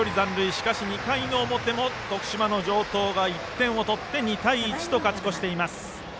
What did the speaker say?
しかし２回表も徳島の城東が１点を取って２対１と勝ち越しています。